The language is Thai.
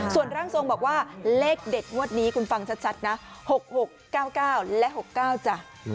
ส่วนร่างทรงบอกว่าเลขเด็ดงวดนี้คุณฟังชัดนะ๖๖๙๙และ๖๙จ้ะ